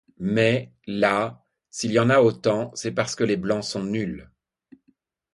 Mais, là, s'il y en a autant, c'est parce que les Blancs sont nuls.